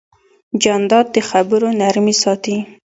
جانداد د خبرو نرمي ساتي.